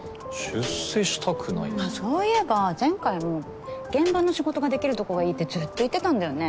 あっそういえば前回も現場の仕事ができるとこがいいってずっと言ってたんだよね。